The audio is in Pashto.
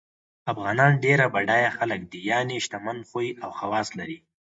افغانان ډېر بډایه خلګ دي یعنی شتمن خوی او خواص لري